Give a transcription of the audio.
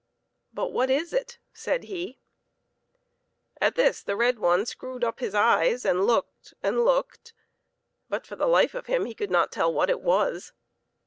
" But what is it ?" said he. At this the red one screwed up his eyes, and looked and looked, but for the life of him he could not tell what it was.